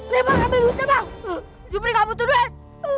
jepri gak butuh duit